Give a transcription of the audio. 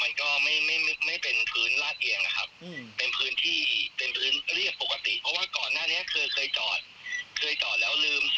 รถก็ไม่มีไหลก็เลยยังงงว่ามันไหลไปได้ยังไงครับ